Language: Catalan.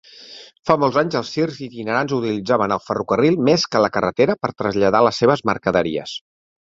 Fa molts anys, els circs itinerants utilitzaven el ferrocarril més que la carretera per traslladar les seves mercaderies.